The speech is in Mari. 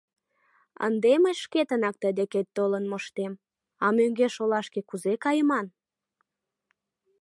— Ынде мый шкетынат тый декет толын моштем, а мӧҥгеш олашке кузе кайыман?